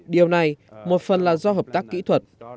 điều này một phần là do hợp tác kỹ thuật